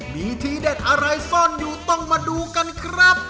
มีทีเด็ดอะไรซ่อนอยู่ต้องมาดูกันครับ